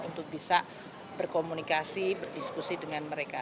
untuk bisa berkomunikasi berdiskusi dengan mereka